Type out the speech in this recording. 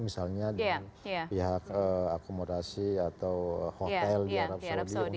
misalnya dengan pihak akumulasi atau hotel di arab saudi